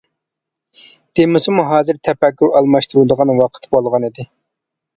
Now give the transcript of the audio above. دېمىسىمۇ ھازىر تەپەككۇر ئالماشتۇرىدىغان ۋاقىت بولغانىدى.